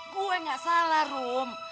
gue gak salah rom